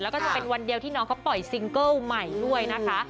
แล้วก็จะเป็นวันเดียวที่น้องเขาปล่อยซิงเกิ้ลใหม่ด้วยนะคะ